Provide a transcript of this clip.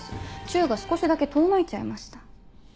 チュが少しだけ遠のいちゃいました。